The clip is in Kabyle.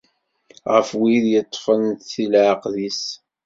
Ɣef wid yeṭṭfen di leɛqed-is.